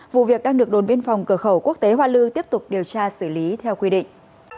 vụ việc đang được đồn biên phòng cửa khẩu quốc tế hoa lư tiếp tục điều tra xử lý theo quy định